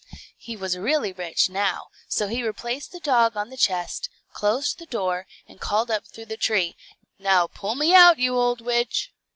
He was really rich now; so he replaced the dog on the chest, closed the door, and called up through the tree, "Now pull me out, you old witch."